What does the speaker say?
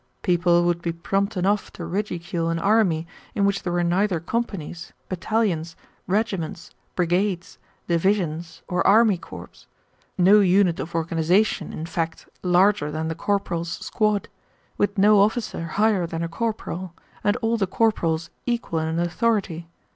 People would be prompt enough to ridicule an army in which there were neither companies, battalions, regiments, brigades, divisions, or army corps no unit of organization, in fact, larger than the corporal's squad, with no officer higher than a corporal, and all the corporals equal in authority.